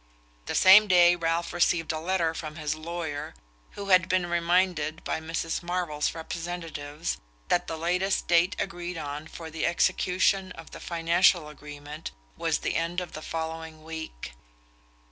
The same day Ralph received a letter from his lawyer, who had been reminded by Mrs. Marvell's representatives that the latest date agreed on for the execution of the financial agreement was the end of the following week.